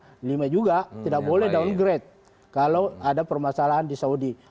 ada lima juga tidak boleh downgrade kalau ada permasalahan di saudi